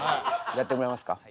やってもらいますか。